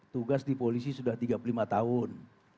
tugas di polisi sudah tiga puluh lima tahun